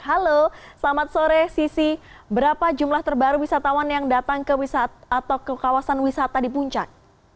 halo selamat sore sisi berapa jumlah terbaru wisatawan yang datang ke kawasan wisata di puncak